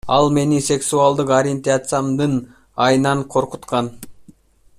Ал мени сексуалдык ориентациямдын айынан коркуткан.